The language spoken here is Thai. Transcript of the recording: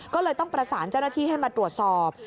ก็เลยต้องประสานเจ้าหน้าที่ให้มาตรวจสอบ